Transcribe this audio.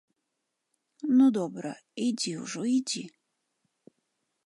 Ну, добра, ідзі ўжо, ідзі!